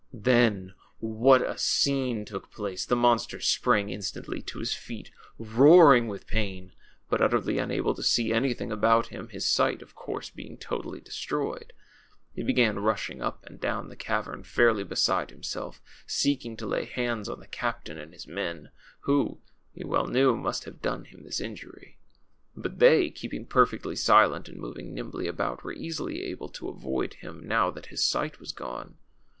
Then what a scene took place ! The monster sprang instantly to his feet, roaring with pain, but utterly unable to see anything about him, his sight, of course, being totally destroyed. He began rushing up and down the cavern, fairly beside himself, seeking to lay hands on the captain and his men, who, he well knew, must have done him this injury. But they, keeping perfectly silent, and moving nimbly about, were easily able to avoid him, now that his sight was gone.